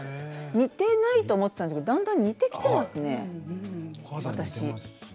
似ていないと思っていたんですけれどもだんだん似てきていますね私。